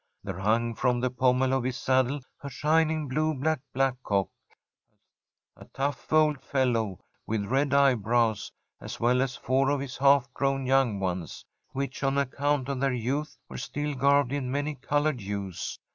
There hung from the pommel of his saddle a shining blue black black cock, a tough old fellow, with red eyebrows, as well as four of his half grown young ones, which on account of their youth were still garbed in many coloured hues.